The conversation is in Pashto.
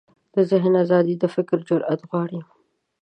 د ذهن ازادي د فکر جرئت غواړي.